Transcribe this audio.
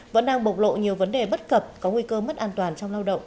vẫn đang bộc lộ nhiều vấn đề bất cập có nguy cơ mất an toàn trong lao động